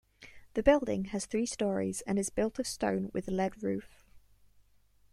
The building has three storeys and is built of stone with a lead roof.